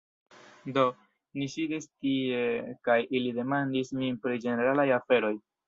Do, ni sidis tie kaj ili demandis min pri ĝeneralaj aferoj